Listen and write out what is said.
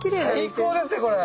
最高ですよこれ！